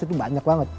itu banyak banget